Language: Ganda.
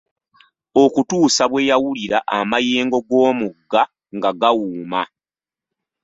Okutuusa bwe yawulira amayengo g'omugga nga gawuuma.